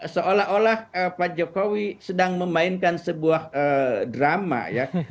seolah olah pak jokowi sedang memainkan sebuah drama ya